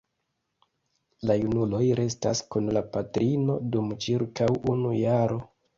La junuloj restas kun la patrino dum ĉirkaŭ unu jaro.